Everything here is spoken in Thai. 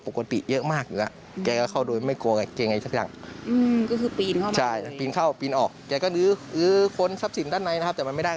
เพิ่มขึ้นแหละครับเนอะ